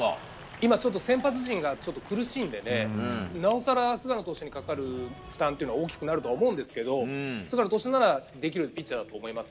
今、先発陣が苦しんでいてなおさら菅野投手にかかる負担というのは大きくなると思うんですけど菅野投手ならできるピッチャーだと思います。